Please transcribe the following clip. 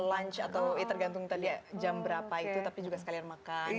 lunch atau tergantung tadi jam berapa itu tapi juga sekalian makan gitu ya